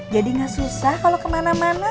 jadi nggak susah kalau kemana mana